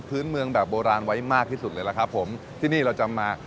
พื้นเมืองแบบโบราณไว้มากที่สุดเลยล่ะครับผมที่นี่เราจะมา